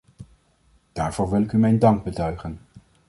Daarvoor wil ik u mijn dank betuigen.